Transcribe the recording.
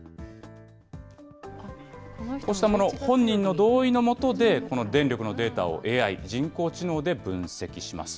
こうしたもの、本人の同意のもとで、この電力のデータをＡＩ・人工知能で分析します。